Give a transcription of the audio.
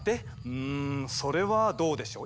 うんそれはどうでしょう。